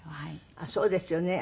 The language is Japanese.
あっそうですよね。